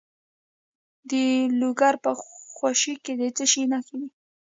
د لوګر په خوشي کې د څه شي نښې دي؟